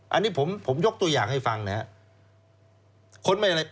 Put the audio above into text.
อันนี้ผมยกตัวอย่างให้ฟังนะครับ